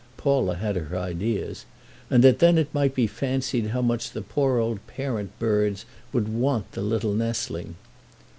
—Paula had her ideas) and that then it might be fancied how much the poor old parent birds would want the little nestling.